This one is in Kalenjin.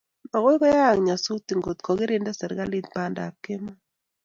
Makoi koyayak nyasutik ngotko kirinda serikalit bandap kemoi